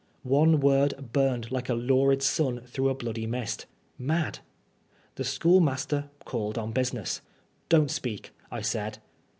One word burned like a lurid sun through a bloody mist. Mad! The school master called on business. " Don't speak," I said.